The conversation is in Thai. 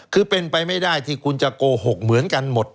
คือเป็นไปไม่ได้ที่คุณจะโกหกเหมือนกันหมด